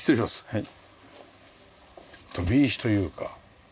はい。